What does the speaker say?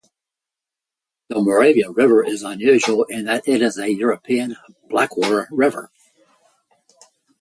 The Morava river is unusual in that it is a European blackwater river.